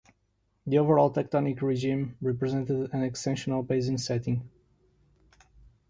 The overall tectonic regime represented an extensional basin setting.